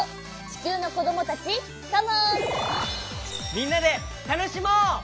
みんなでたのしもう！